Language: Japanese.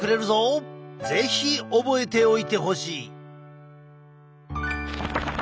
是非覚えておいてほしい。